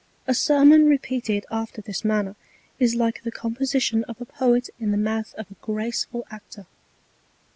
A Sermon repeated after this Manner, is like the Composition of a Poet in the Mouth of a graceful Actor.